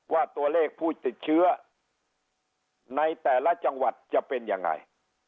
ว่าตัวเลขผู้ติดเชื้อในแต่ละจังหวัดจะเป็นยังไง